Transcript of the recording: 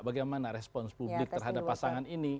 bagaimana respons publik terhadap pasangan ini